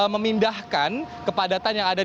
memindahkan kepadatan yang ada